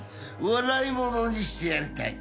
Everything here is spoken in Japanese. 笑い者にしてやりたい。